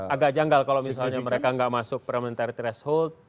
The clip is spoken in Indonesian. agak janggal kalau misalnya mereka nggak masuk parliamentary threshold